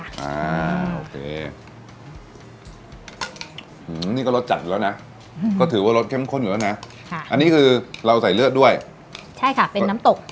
อันนี้ก็รสจัดอยู่แล้วนะก็ถือว่ารสเข้มข้นอยู่แล้วนะอันนี้คือเราใส่เลือดด้วยใช่ค่ะเป็นน้ำตก